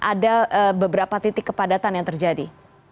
ada beberapa titik kepadatan yang terjadi